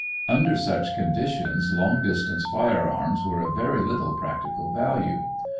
Under such conditions long distance firearms were of very little practical value.